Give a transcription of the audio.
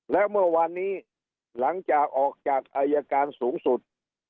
แล้วเมื่อวานนี้หลังจากออกจากอายการสูงสุด